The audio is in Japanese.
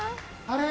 あれ？